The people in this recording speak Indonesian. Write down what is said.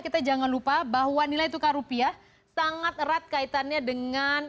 kita jangan lupa bahwa nilai tukar rupiah sangat erat kaitannya dengan